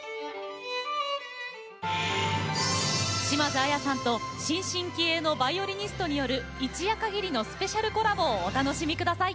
島津亜矢さんと新進気鋭のバイオリニストによる一夜かぎりのスペシャルコラボをお楽しみください。